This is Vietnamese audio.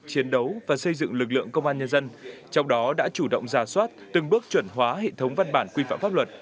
chiến đấu và xây dựng lực lượng công an nhân dân trong đó đã chủ động ra soát từng bước chuẩn hóa hệ thống văn bản quy phạm pháp luật